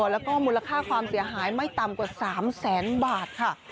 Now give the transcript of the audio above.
แล้วก็มูลค่าความเสียหายไม่ต่ำกว่า๓แสนบาทค่ะ